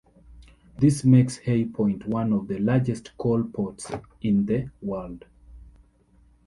This makes Hay Point one of the largest coal ports in the world.